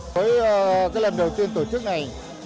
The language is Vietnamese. với lần đầu tiên tổ chức này